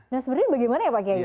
nah sebenarnya bagaimana ya pak kiai